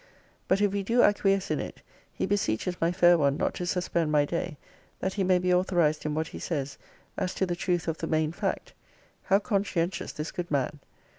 But if we do acquiesce in it, he beseeches my fair one not to suspend my day, that he may be authorized in what he says, as to the truth of the main fact. [How conscientious this good man!